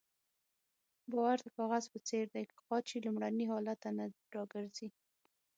باور د کاغذ په څېر دی که قات شي لومړني حالت ته نه راګرځي.